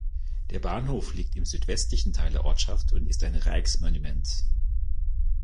Der Bahnhof liegt im südwestlichen Teil der Ortschaft und ist ein Rijksmonument.